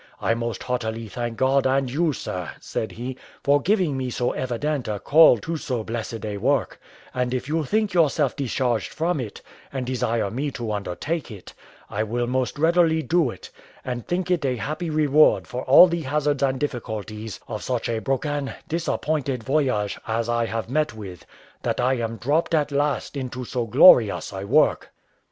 "I most heartily thank God and you, sir," said he, "for giving me so evident a call to so blessed a work; and if you think yourself discharged from it, and desire me to undertake it, I will most readily do it, and think it a happy reward for all the hazards and difficulties of such a broken, disappointed voyage as I have met with, that I am dropped at last into so glorious a work."